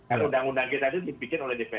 dan undang undang kita itu dibikin oleh dpr